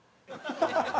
ハハハハ！